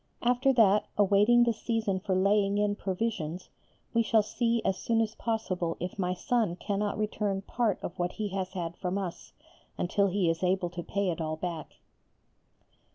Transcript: After that, awaiting the season for laying in provisions, we shall see as soon as possible if my son cannot return part of what he has had from us, until he is able to pay it all back.